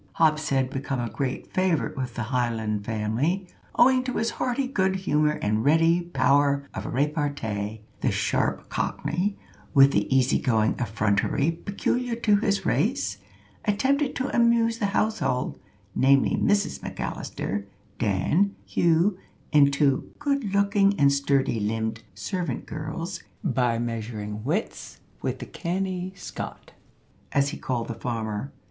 Hobbs had become a great favourite with the Highland family, owing to his hearty good humour and ready power of repartee. The sharp Cockney, with the easy going effrontery peculiar to his race, attempted to amuse the household namely, Mrs McAllister, Dan, Hugh, and two good looking and sturdy limbed servant girls by measuring wits with the "canny Scot," as he called the farmer.